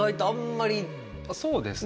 そうですね。